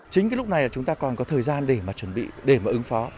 chính cái lúc này là chúng ta còn có thời gian để mà chuẩn bị để mà ứng phó